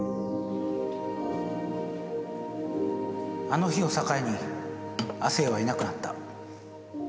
あの日を境に亜生はいなくなった。